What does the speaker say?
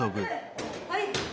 はい。